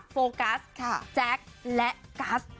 โฟกัสแจ๊คและกัส